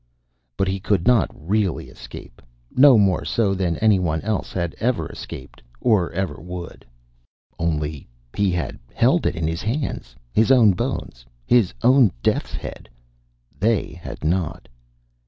But he could not really escape, no more so than anyone else had ever escaped, or ever would. Only, he had held it in his hands, his own bones, his own death's head. They had not.